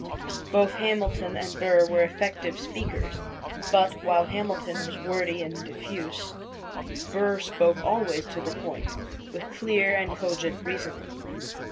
Both Hamilton and Burr were effective speakers; but, while Hamilton was wordy and diffuse, Burr spoke always to the point, with clear and cogent reasoning.